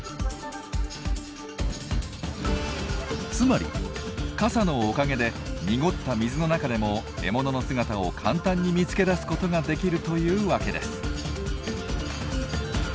つまり傘のおかげで濁った水の中でも獲物の姿を簡単に見つけ出すことができるというわけです。